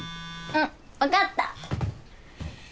うん分かった。